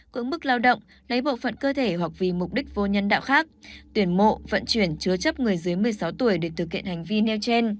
cưỡng bức lao động lấy bộ phận cơ thể hoặc vì mục đích vô nhân đạo khác tuyển mộ vận chuyển chứa chấp người dưới một mươi sáu tuổi để thực hiện hành vi nêu trên